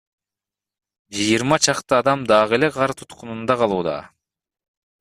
Жыйырма чакты адам дагы эле кар туткунунда калууда.